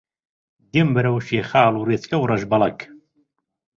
دێم بەرەو شیخاڵ و ڕێچکە و ڕەشبەڵەک